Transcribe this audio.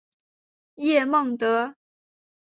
叶梦得。